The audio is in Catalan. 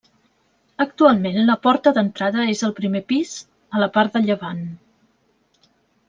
Actualment la porta d'entrada és al primer pis, a la part de llevant.